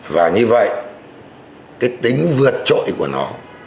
và như vậy cái tính vượt trội của nó